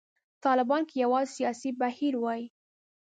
طالبان که یوازې سیاسي بهیر وای.